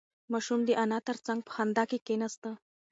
ماشوم د انا تر څنگ په خندا کې کېناست.